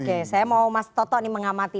oke saya mau mas toto ini mengamati